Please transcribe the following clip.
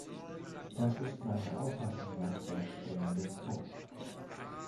Das ist meiner Auffassung nach der springende Punkt.